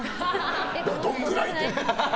どのくらい？って。